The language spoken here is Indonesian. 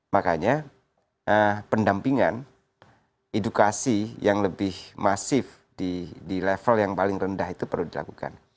makanya pendampingan edukasi yang lebih masif di level yang paling rendah itu perlu dilakukan